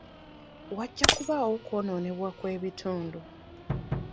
Wajja kubaawo okwonoonebwa kw'ebintu.